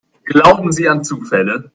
Glauben Sie an Zufälle?